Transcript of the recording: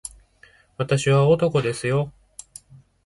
私は男ですよ